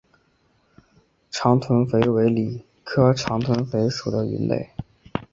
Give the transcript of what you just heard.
长臀鲃为鲤科长臀鲃属的鱼类。